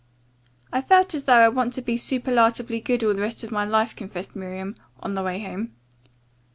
"I felt as though I wanted to be superlatively good all the rest of my life," confessed Miriam on the way home.